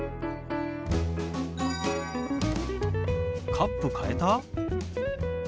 カップ変えた？